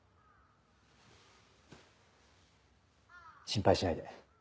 心配しないで。